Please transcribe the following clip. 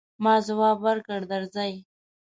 ما ځواب ورکړ، درځئ.